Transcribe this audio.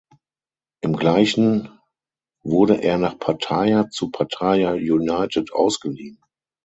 Im gleichen wurde er nach Pattaya zu Pattaya United ausgeliehen.